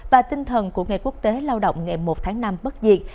và tinh thần của ngày quốc tế lao động ngày một tháng năm bất diệt